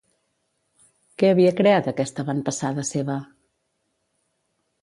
Què havia creat aquesta avantpassada seva?